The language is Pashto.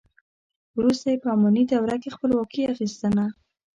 وروسته یې په اماني دوره کې خپلواکي اخیستنه.